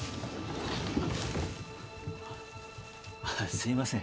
すいません。